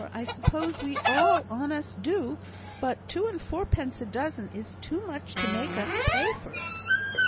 I suppose we all on us do. But two and fourpence a dozen is too much to make us pay for it."